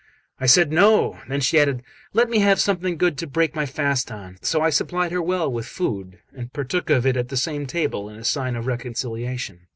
I said, "No!" Then she added: "Let me have something good to break my fast on." So I supplied her well with food, and partook of it at the same table in sign of reconciliation.